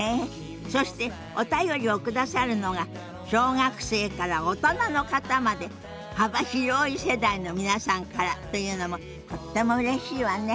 そしてお便りを下さるのが小学生から大人の方まで幅広い世代の皆さんからというのもとってもうれしいわね。